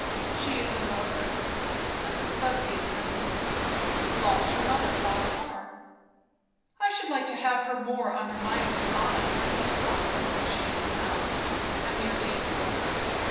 "She is an orphan?" Mrs. Busby assented. "Lost her mother last summer." "I should like to have her more under my own eye than is possible as she is now; a mere day scholar.